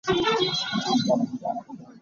Nizaan ah cauk ka rel.